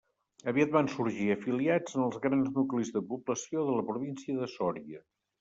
Aviat van sorgir afiliats en els grans nuclis de població de la Província de Sòria.